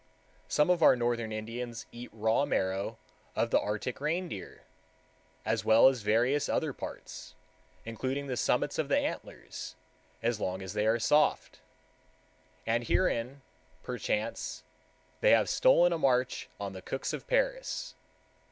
Some of our northern Indians eat raw the marrow of the Arctic reindeer, as well as various other parts, including the summits of the antlers, as long as they are soft. And herein, perchance, they have stolen a march on the cooks of Paris.